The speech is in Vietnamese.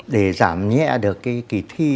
để giảm nhẹ được cái kỳ thi